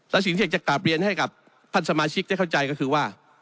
และสิ่งที่อยากจะกลับเรียนให้กับท่านสมาชิกได้เข้าใจก็คือว่า